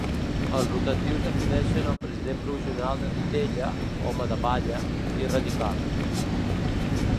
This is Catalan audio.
Els rotatius defineixen el president provisional de ‘titella’, ‘home de palla’ i ‘radical’